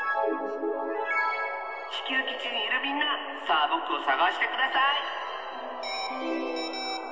ちきゅうきちにいるみんなさあぼくをさがしてください！